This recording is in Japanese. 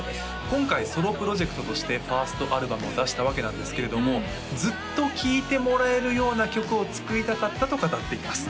今回ソロプロジェクトとして１ｓｔアルバムを出したわけなんですけれどもずっと聴いてもらえるような曲を作りたかったと語っています